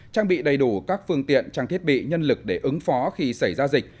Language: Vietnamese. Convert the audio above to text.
trang bị đầy đủ các phương tiện trang thiết bị nhân lực để ứng phó khi xảy ra dịch